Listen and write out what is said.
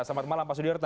selamat malam pak sudirta